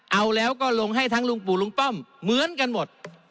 เอาแล้วก็ลงให้ทั้งลุงปู่ลุงป้อมเหมือนกันหมด